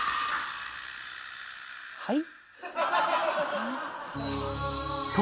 はい？